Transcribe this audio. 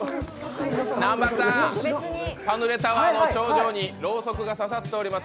パヌレタワーの頂上にろうそくがささっております。